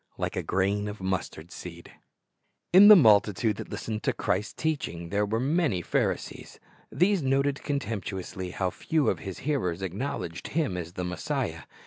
''Like a Grain of Mustard Seed" TN the multitude that hstened to Christ's teaching there ' were many Pharisees. These noted contemptuously how few of His hearers acknowledged Him as the Messiah.